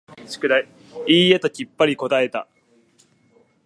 いいえ、ときっぱり答えた。